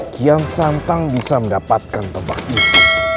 kian santang bisa mendapatkan tebaknya